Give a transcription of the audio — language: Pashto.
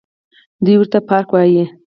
دوى ورته پارک وايه.